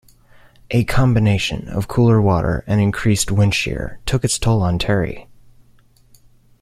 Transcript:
A combination of cooler water and increased wind shear took its toll on Terry.